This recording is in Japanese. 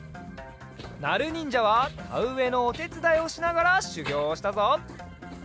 なるにんじゃはたうえのおてつだいをしながらしゅぎょうをしたぞ。